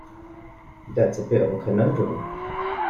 That's a bit of a conundrum!